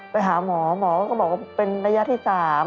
ไปหาหมอหมอก็บอกว่าเป็นระยะที่๓